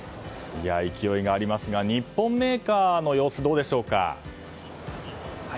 勢いがありますが日本メーカーの様子はどうでしょうか？